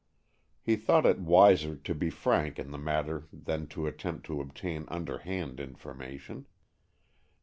He thought it wiser to be frank in the matter than to attempt to obtain underhand information.